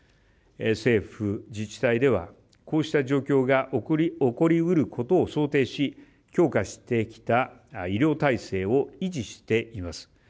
政府、自治体ではこうした状況が起こり得ることを想定し強化してきた医療体制を維持しています。